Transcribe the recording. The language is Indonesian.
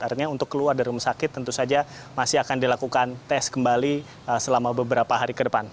artinya untuk keluar dari rumah sakit tentu saja masih akan dilakukan tes kembali selama beberapa hari ke depan